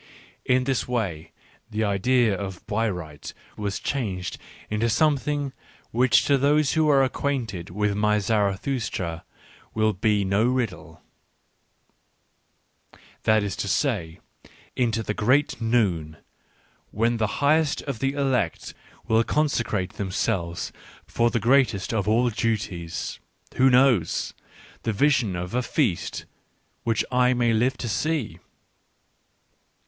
— In this way, "the idea of Bayreuth" was changed into something which to those who are acquainted with my Zara thustra will be no riddle — that is to say, into the Great Noon when the highest of the elect will conse crate themselves for the greatest of all duties — who knows ? the vision of a feast which I may live to see.